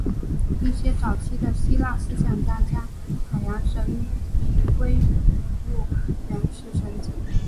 一些早期的希腊思想家将海洋神明归入原始神只。